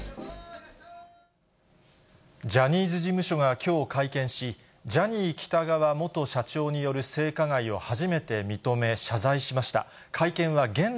ジャニーズ事務所がきょう会見し、ジャニー喜多川元社長による性加害を初めて認め、謝罪しました。